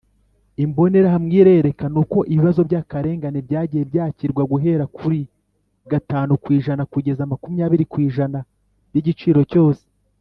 Imbonerahamwe irerekana uko ibibazo by akarengane byagiye byakirwa guhera kuri gatanu kwijana kugeza makumyabiri ku ijana by igiciro cyose